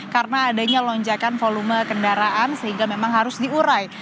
karena adanya lonjakan volume kendaraan sehingga memang harus diurai